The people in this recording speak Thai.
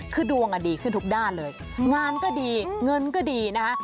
คือดวงดีขึ้นทุกด้านเลยงานก็ดีเงินก็ดีนะคะ